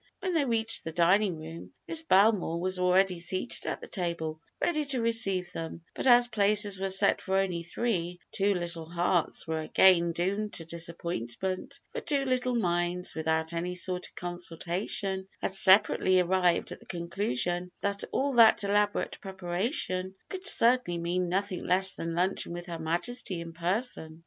When they reached the dining room, Miss Belmore was already seated at the table, ready to receive them; but as places were set for only three, two little hearts were again doomed to disappointment, for two little minds, without any sort of consultation, had separately arrived at the conclusion that all that elaborate preparation could certainly mean nothing less than luncheon with Her Majesty in person.